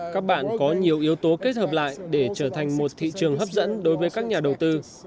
các bạn có nhiều yếu tố kết hợp lại để trở thành một thị trường hấp dẫn đối với các nhà đầu tư